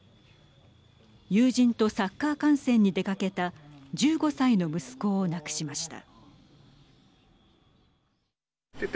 友人とサッカー観戦に出かけた１５歳の息子を亡くしました。